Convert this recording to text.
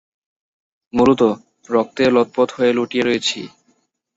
মূলত, রক্তে লতপত হয়ে লুটিয়ে রয়েছি।